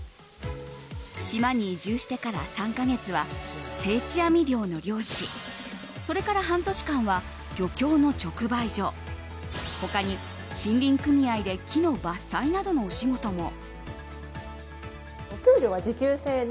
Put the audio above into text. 島に移住してから３か月は定置網漁の漁師それから半年間は漁協の直売所他に森林組合で木の伐採などのお仕事も。